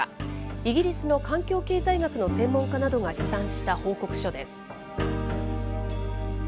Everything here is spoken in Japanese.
イギリスの環境経済学の専門家などが試算した報告書です。